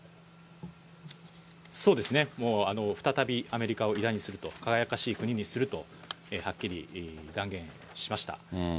そうですね、もう再びアメリカを偉大にすると、輝かしい国にすると、はっきり断言しました。